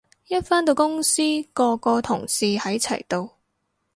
一返到公司個個同事喺齊度